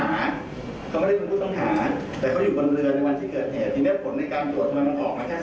เขาอยู่บนะเรือนุ่นวันที่เกิดเหตุ